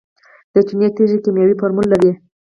د چونې تیږه کیمیاوي فورمول لري.